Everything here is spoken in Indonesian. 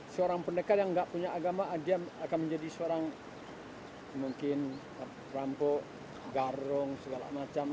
seorang pendekar yang nggak punya agama dia akan menjadi seorang mungkin rampok garung segala macam